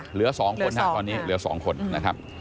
เหลือ๒คนครับตอนนี้เหลือ๒คนนะครับ